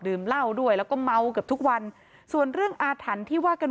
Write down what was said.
เหล้าด้วยแล้วก็เมาเกือบทุกวันส่วนเรื่องอาถรรพ์ที่ว่ากัน